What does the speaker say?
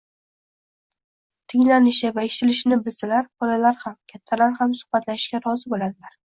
Tinglanishi va eshitilishini bilsalar, bolalar ham, kattalar ham suhbatlashishga rozi bo‘ladilar